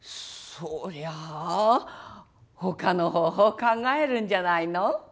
そりゃあほかの方法考えるんじゃないの？